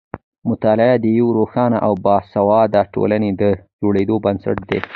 مطالعه د یوې روښانه او باسواده ټولنې د جوړېدو بنسټ دی.